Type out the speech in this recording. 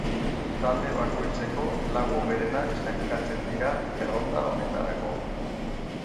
Talde bakoitzeko lau hoberenak sailkatzen dira erronda honetarako.